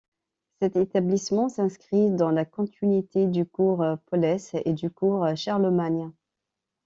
Cet établissement s’inscrit dans la continuité du cours Pollès et du cours Charlemagne.